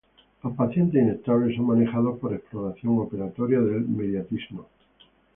Los pacientes inestables son manejados por exploración operatoria del mediastino.